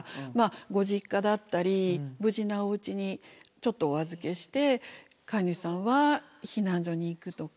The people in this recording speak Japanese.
ご実家だったり無事なおうちにちょっとお預けして飼い主さんは避難所に行くとか。